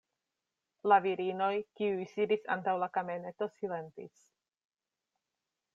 La virinoj, kiuj sidis antaŭ la kameneto, silentis.